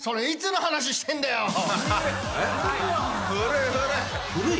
いつの話してんだよ！